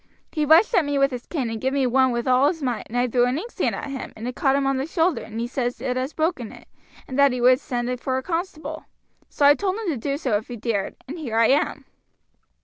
He rushed at me with his cane, and gave me one with all his might, and I threw an inkstand at him, and it caught him on the shoulder, and he says it has broken it, and that he would send for a constable. So I told him to do so if he dared, and here I am."